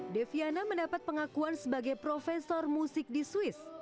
deviana mendapat pengakuan sebagai profesor musik di swiss